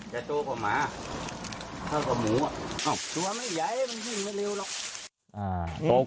โตกว่าหมาเท่ากับหมูอ่ะตัวไม่ใหญ่มันวิ่งไม่เร็วหรอก